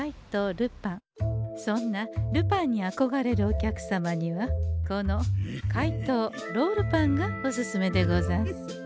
そんなルパンにあこがれるお客様にはこの「怪盗ロールパン」がおすすめでござんす。